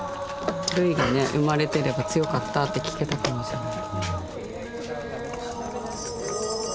ルイがね生まれてれば「強かった？」って聞けたかもしれない。